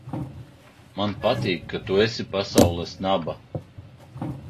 Man patīk, ka tu esi pasaules naba!